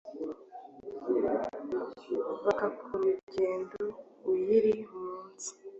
Bakakurengaho uyiri munsi